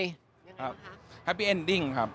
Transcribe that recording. ยังไงค่ะครับฮัปปี้เอ็นดิ้งครับ